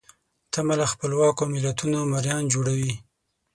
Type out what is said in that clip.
تمه له خپلواکو ملتونو مریان جوړوي.